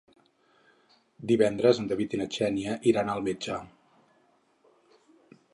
Divendres en David i na Xènia iran al metge.